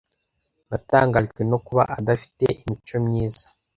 Natangajwe no kuba adafite imico myiza.